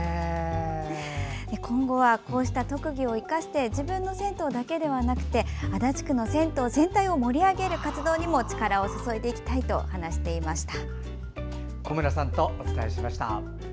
今後は、こうした特技を生かして自分の銭湯だけでなくて足立区の銭湯全体を盛り上げる活動にも力を注いでいきたいと小村さんとお伝えしました。